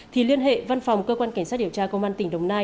thì liên hệ văn phòng cơ quan cảnh sát điều tra công an tỉnh đồng nai